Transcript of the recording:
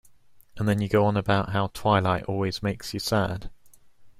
And then you go on about how twilight always makes you sad.